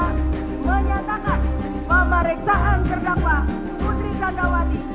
tiga menyatakan pemeriksaan terdakwa putri jantrawati